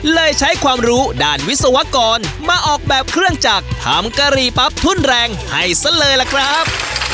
ใช้ความรู้ด้านวิศวกรมาออกแบบเครื่องจักรทำกะหรี่ปั๊บทุ่นแรงให้ซะเลยล่ะครับ